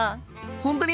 本当に！？